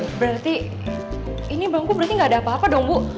berarti ini bangku berarti gak ada apa apa dong bu